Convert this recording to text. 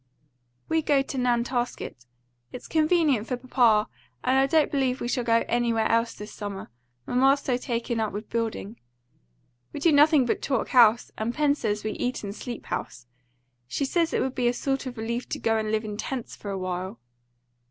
"We go to Nantasket it's convenient for papa; and I don't believe we shall go anywhere else this summer, mamma's so taken up with building. We do nothing but talk house; and Pen says we eat and sleep house. She says it would be a sort of relief to go and live in tents for a while."